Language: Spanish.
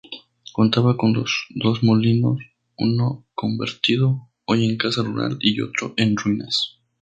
Contaba con dos molinos, uno convertido hoy en casa rural y otro en ruinas.